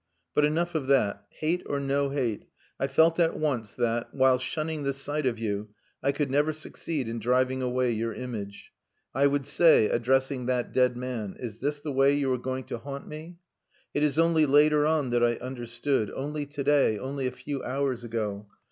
But enough of that. Hate or no hate, I felt at once that, while shunning the sight of you, I could never succeed in driving away your image. I would say, addressing that dead man, 'Is this the way you are going to haunt me?' It is only later on that I understood only to day, only a few hours ago.